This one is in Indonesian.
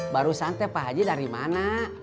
baru santai pak haji dari mana